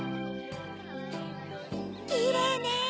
きれいね！